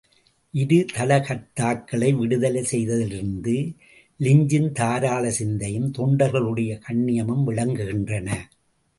இரு தளகர்த்தாக்களை விடுதலை செய்ததிலிருந்து லிஞ்சின் தாராள சிந்தையும் தொண்டர்களுடைய கண்ணியமும் விளங்குகின்றன.